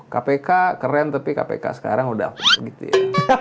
kpk keren tapi kpk sekarang udah gitu ya